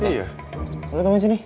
iya iya kita tunggu disini